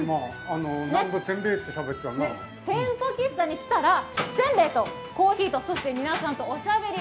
てんぽ喫茶に来たらせんべいとコーヒー、そして皆さんとおしゃべり。